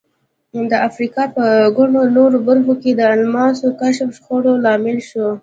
د افریقا په ګڼو نورو برخو کې د الماسو کشف شخړو لامل شو.